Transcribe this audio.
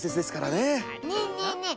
ねえねえねえ